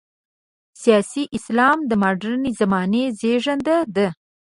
سیاسي اسلام د مډرنې زمانې زېږنده ده.